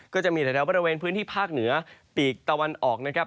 ก็จะมีแถวบริเวณพื้นที่ภาคเหนือปีกตะวันออกนะครับ